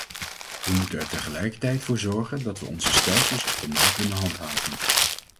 We moeten er tegelijkertijd voor zorgen dat we onze stelsels op termijn kunnen handhaven.